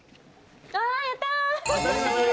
あやった！